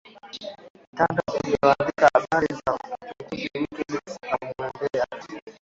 tandao unaoandika habari za kichunguzi wiki leaks umeendelea